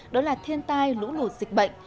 đó là thiên tai lũ lụt dịch bệnh